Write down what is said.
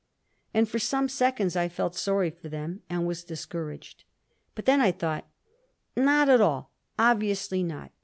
And for some seconds I felt sorry for them, and was discouraged. But then I thought: "Not at all —obviously not!